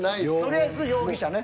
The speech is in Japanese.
とりあえず容疑者ね。